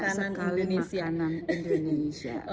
banyak sekali makanan indonesia